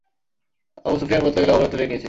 Abu Sufyan বলতে গেলে অবরোধ তুলেই নিয়েছে।